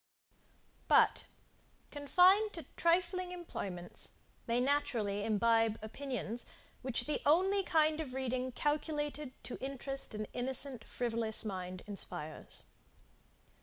But, confined to trifling employments, they naturally imbibe opinions which the only kind of reading calculated to interest an innocent frivolous mind, inspires.